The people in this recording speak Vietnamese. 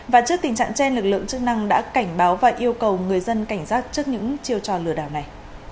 và trước tình trạng trên lực lượng chức năng đã cảnh báo và yêu cầu người dân cảnh giác trước những chiêu trò lừa đảo này